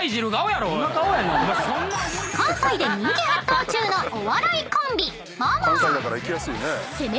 ［関西で人気沸騰中のお笑いコンビ］